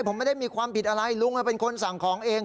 ผมไม่ได้มีความผิดอะไรลุงเป็นคนสั่งของเอง